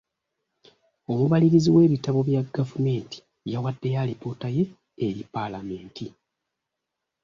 Omubalirizi w'ebitabo bya gavumenti yawaddeyo alipoota ye eri paalamenti.